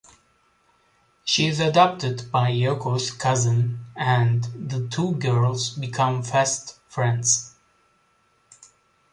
She is adopted by Yoko's cousin and the two girls become fast friends.